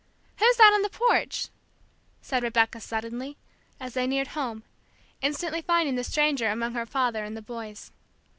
"Who's that on the porch?" said Rebecca, suddenly, as they neared home, instantly finding the stranger among her father and the boys.